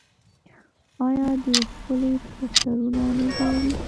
آیا دوی ښکلي پوسټرونه نه جوړوي؟